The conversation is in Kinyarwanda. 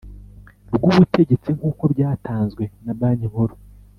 rw ubutegetsi nk uko byatanzwe na Banki Nkuru